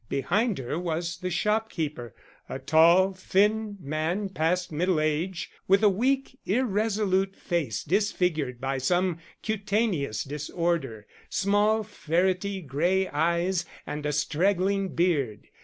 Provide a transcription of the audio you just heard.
Behind her was the shopkeeper, a tall thin man past middle age, with a weak irresolute face disfigured by some cutaneous disorder, small ferrety grey eyes, and a straggling beard.